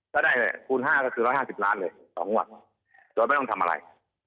ถ้าได้คูณ๕ก็คือ๑๕๐ล้านเลย๒วันโดยไม่ต้องทำอะไร